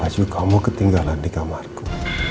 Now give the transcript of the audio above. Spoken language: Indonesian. supaya kamu ketinggalan di kamarku